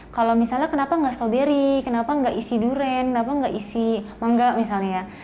kalau misalnya kenapa enggak strawberry kenapa enggak isi durian kenapa enggak isi mangga misalnya